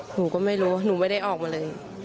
หนูก็ไม่รู้หนูไม่ได้ออกมาเลย